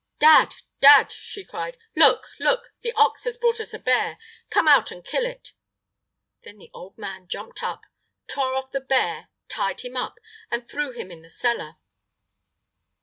"Dad, dad!" she cried, "look, look! the ox has brought us a bear. Come out and kill it!" Then the old man jumped up, tore off the bear, tied him up, and threw him in the cellar.